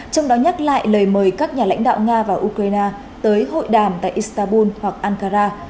trong đó nhắc lại lời mời các nhà lãnh đạo nga và ukraine tới hội đàm tại istanbul hoặc ankara